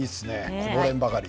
こぼれんばかり。